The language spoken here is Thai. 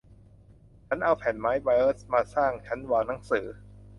ฉันเอาแผ่นไม้เบิร์ซมาสร้างชั้นวางหนังสือ